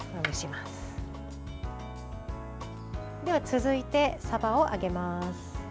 続いて、さばを揚げます。